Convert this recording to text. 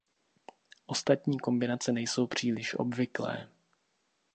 Ostatní kombinace nejsou příliš obvyklé.